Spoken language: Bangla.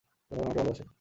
জনগণ আমাকে ভালোবাসে।